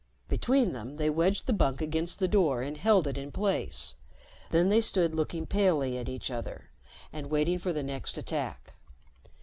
Between them, they wedged the bunk against the door and held it in place. Then they stood looking palely at each other and waiting for the next attack.